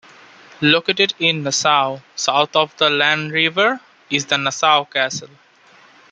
Located in Nassau, south of the Lahn River, is the Nassau Castle.